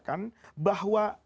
banyaknya ulama mengatakan